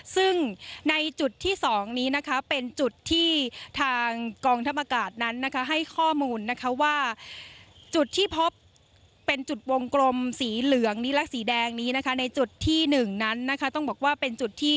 ซึ่งในจุดที่๒นี้นะคะเป็นจุดที่ทางกองทัพอากาศนั้นนะคะให้ข้อมูลนะคะว่าจุดที่พบเป็นจุดวงกลมสีเหลืองนี้และสีแดงนี้นะคะในจุดที่๑นั้นนะคะต้องบอกว่าเป็นจุดที่